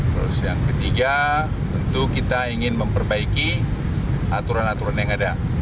terus yang ketiga tentu kita ingin memperbaiki aturan aturan yang ada